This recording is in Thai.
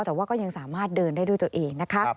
แต่ว่าก็ยังสามารถเดินได้ด้วยตัวเองนะคะ